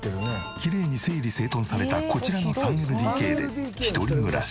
きれいに整理整頓されたこちらの３ＬＤＫで１人暮らし。